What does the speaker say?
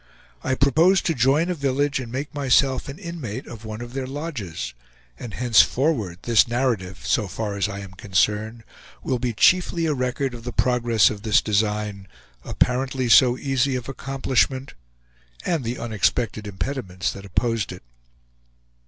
I proposed to join a village and make myself an inmate of one of their lodges; and henceforward this narrative, so far as I am concerned, will be chiefly a record of the progress of this design apparently so easy of accomplishment, and the unexpected impediments that opposed it.